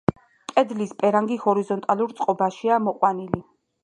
კედლის პერანგი ჰორიზონტალურ წყობაშია გამოყვანილი.